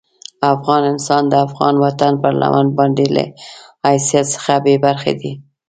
افغان انسان د افغان وطن پر لمن باندې له حیثیت څخه بې برخې دي.